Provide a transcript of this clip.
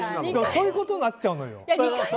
そういうことになっちゃうのよ。